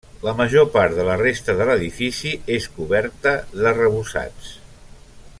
La major part de la resta de l'edifici és coberta d'arrebossats.